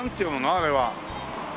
あれは。